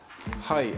はい。